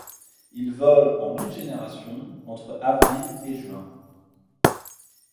Il vole en une générations entre avril et juin.